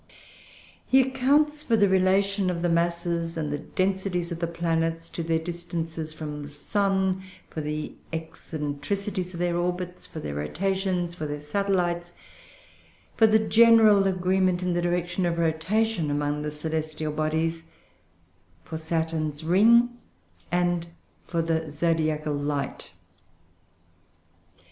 He accounts for the relation of the masses and the densities of the planets to their distances from the sun, for the eccentricities of their orbits, for their rotations, for their satellites, for the general agreement in the direction of rotation among the celestial bodies, for Saturn's ring, and for the zodiacal light.